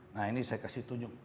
nah ini saya kasih tunjuk